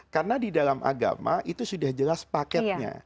karena di dalam agama itu sudah jelas paketnya